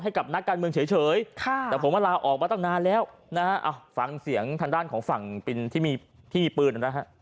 ให้กับนักการเมืองเฉยแต่ผมว่าลาออกมาตั้งนานแล้วฟังเสียงทางด้านของฝั่งที่มีปืน